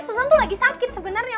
susan tuh lagi sakit sebenarnya